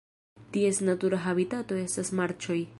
Ties natura habitato estas marĉoj.